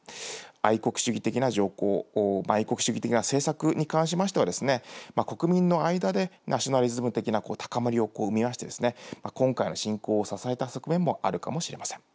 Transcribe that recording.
愛国主義的な条項、愛国主義的な政策に関しましては、国民の間でナショナリズム的な高まりを生み出して、今回の侵攻を支えた側面もあるかもしれません。